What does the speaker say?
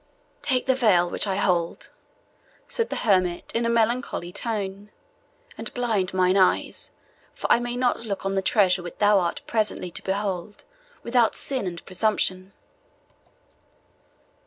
"Take the veil which I hold," said the hermit, in a melancholy tone, "and blind mine eyes; For I may not look on the treasure which thou art presently to behold, without sin and presumption."